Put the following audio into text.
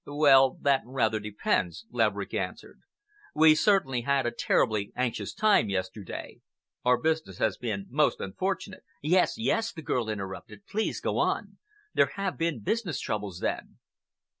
"Well, that rather depends," Laverick answered. "We certainly had a terribly anxious time yesterday. Our business has been most unfortunate—" "Yes, yes!" the girl interrupted. "Please go on. There have been business troubles, then."